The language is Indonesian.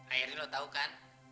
akhirnya lu tau kan